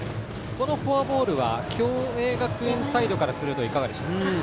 このフォアボールは共栄学園サイドからするといかがでしょう。